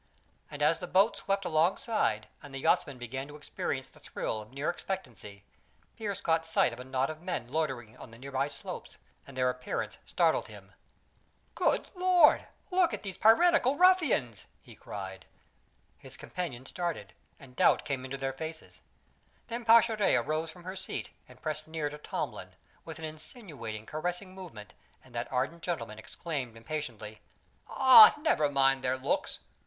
And as the boat swept alongside and the yachtsmen began to experience the thrill of near expectancy, Pearse caught sight of a knot of men loitering on the nearby slopes, and their appearance startled him. "Good Lord, look at those piratical ruffians!" he cried. His companions started, and doubt came into their faces. Then Pascherette arose from her seat and pressed near to Tomlin, with an insinuating, caressing movement; and that ardent gentleman exclaimed impatiently: "Oh, never mind their looks!